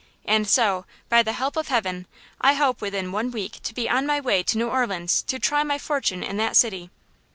And so, by the help of heaven, I hope within one week to be on my way to New Orleans to try my fortune in that city."